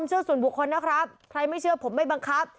ทุกคนนะครับใครไม่เชื่อผมไม่บังคับ